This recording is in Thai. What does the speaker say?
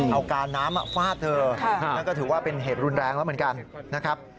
เอาการน้ำฟาดเธอนั่นก็ถือว่าเป็นเหตุรุนแรงแล้วเหมือนกันนะครับ